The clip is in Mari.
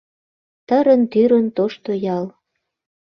Тырын-тӱрын тошто ял